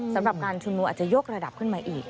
สำหรับการชุมนุมอาจจะยกระดับขึ้นมาอีก